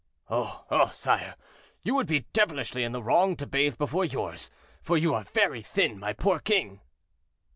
"Oh! oh! sire, you would be devilishly in the wrong to bathe before yours, for you are very thin, my poor king."